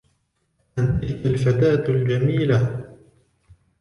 من تلك الفتاة الجميلة؟